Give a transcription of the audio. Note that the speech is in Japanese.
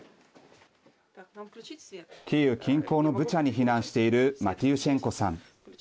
キーウ近郊のブチャに避難しているマティウシェンコさん。